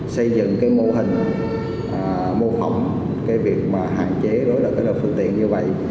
xây dựng cái mô hình mô phóng cái việc mà hạn chế đối lập với đậu phương tiện như vậy